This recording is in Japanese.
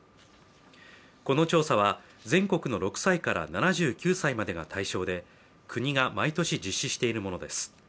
この調査は、全国の６歳から７９歳までが対象で国が毎年実施しているものです。